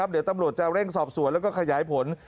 เดี๋ยวตำรวจจะเร่งสอบสวนแล้วก็ขยายผล